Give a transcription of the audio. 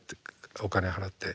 お金払って」。